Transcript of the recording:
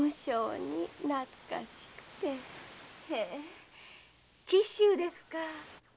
へえ紀州ですか。